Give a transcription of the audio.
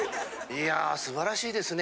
いや素晴らしいですね。